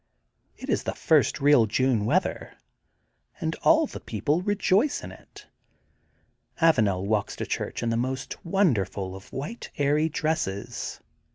It is the first real June weather, and all the people rejoice in it. Avanel walks to church in the most wonderful of white airy dresses.